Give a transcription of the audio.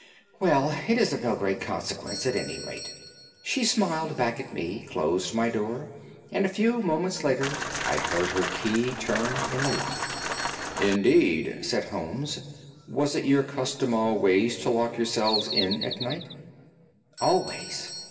"'Well, it is of no great consequence, at any rate.' She smiled back at me, closed my door, and a few moments later I heard her key turn in the lock." "Indeed," said Holmes. "Was it your custom always to lock yourselves in at night?" "Always."